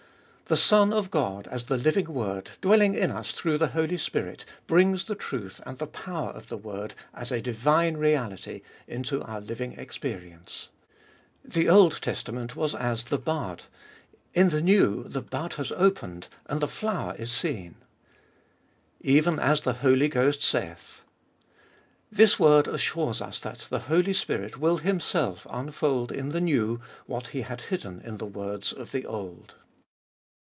The Son of God, as the living Word, dwelling in us through the Holy Spirit, brings the truth and the power of the word as a divine reality into our living experience. The Old Testament was as the bud ; in the New the bud has opened and the flower is seen. Even as the Holy Ghost saith. This word assures us that the Holy Spirit will Himself unfold in the New what He had hidden in the words of the Old.